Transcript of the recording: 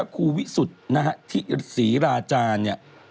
ดูยังไง